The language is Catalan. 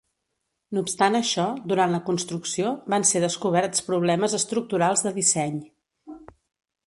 No obstant això, durant la construcció, van ser descoberts problemes estructurals de disseny.